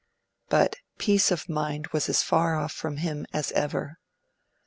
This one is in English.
But peace of mind was as far off from him as ever.